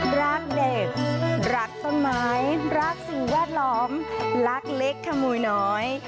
รักเด็กรักต้นไม้รักสิ่งแวดล้อมรักเล็กขโมยน้อย